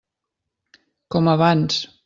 Com abans.